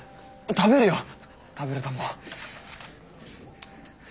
食べるとも。